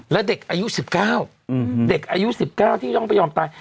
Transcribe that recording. และเด็กอายุ๑๙ที่ยอมไปยอมตาย